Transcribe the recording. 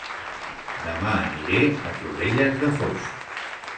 Dema aniré a Torrelles de Foix